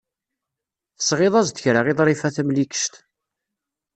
Tesɣiḍ-as-d kra i Ḍrifa Tamlikect.